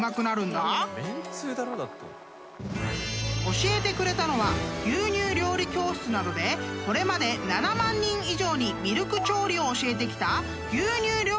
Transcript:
［教えてくれたのは牛乳料理教室などでこれまで７万人以上にミルク調理を教えてきた］